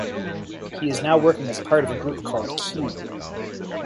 He is now working as part of a group called "Q".